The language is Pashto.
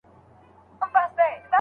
رسولانو خورا ستر مصيبتونه زغملي دي.